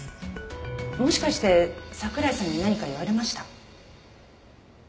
もしかして桜井さんに何か言われました？